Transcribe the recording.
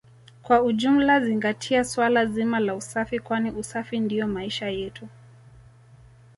Kwa ujumla zingatia suala zima la usafi kwani usafi ndio maisha yetu